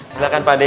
silakan pak d